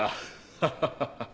ハハハハッ。